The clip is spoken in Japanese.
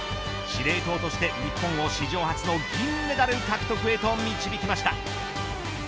司令塔として、日本を史上初の銀メダル獲得へと導きました。